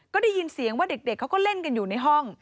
ก็ได้ยินเสียงว่าเด็กเขาก็เล่นกันอยู่ในห้อง